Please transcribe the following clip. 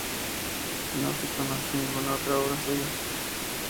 No se conoce ninguna otra obra suya.